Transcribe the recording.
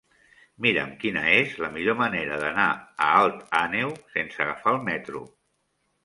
Mira'm quina és la millor manera d'anar a Alt Àneu sense agafar el metro.